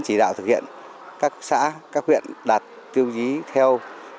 chỉ đạo thực hiện các xã các huyện đạt tiêu chí theo